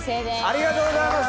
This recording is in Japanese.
ありがとうございます。